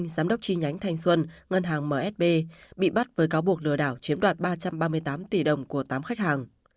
giám đốc chi nhánh thanh xuân ngân hàng msb bị bắt với cáo buộc lừa đảo chiếm đoạt ba trăm ba mươi tám tỷ đồng của tám khách hàng